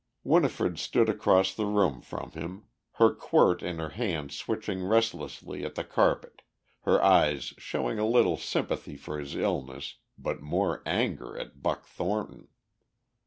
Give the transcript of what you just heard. Winifred stood across the room from him, her quirt in her hand switching restlessly at the carpet, her eyes showing a little sympathy for his illness but more anger at Buck Thornton.